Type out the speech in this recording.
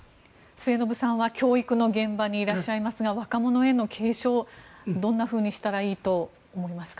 末延さんは教育の現場にいらっしゃいますが若者への継承どんなふうにしたらいいと思いますか？